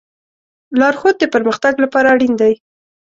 لارښود د پرمختګ لپاره اړین دی.